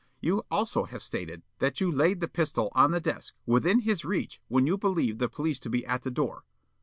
You also have stated that you laid the pistol on the desk, within his reach, when you believed the police to be at the door.